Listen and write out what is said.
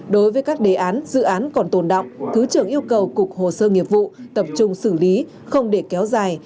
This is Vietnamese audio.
đối với các đề án dự án còn tồn động thứ trưởng yêu cầu cục hồ sơ nghiệp vụ tập trung xử lý không để kéo dài